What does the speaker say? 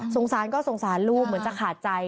สารก็สงสารลูกเหมือนจะขาดใจ